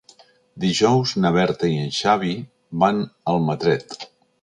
Dijous na Berta i en Xavi van a Almatret.